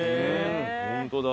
ホントだ。